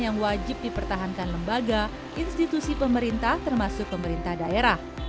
yang wajib dipertahankan lembaga institusi pemerintah termasuk pemerintah daerah